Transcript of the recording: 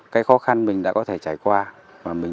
cái khó khăn mình đã có thể trải qua mình